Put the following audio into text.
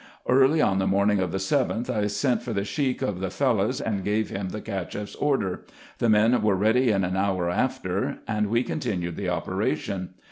Early on the morning of the 7th, I sent for the Sheik of the Fellahs, and gave him the Cacheff's order. The men were ready in an hour after, and we continued the operation.